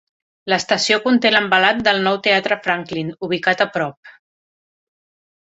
L'estació conté l'envelat del nou teatre Franklin, ubicat a prop.